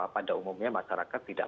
pada umumnya masyarakat tidak